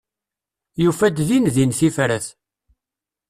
Yufa-d din din tifrat.